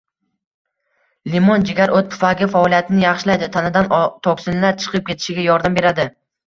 Limon jigar, o‘t pufagi faoliyatini yaxshilaydi, tanadan toksinlar chiqib ketishiga yordam beradi.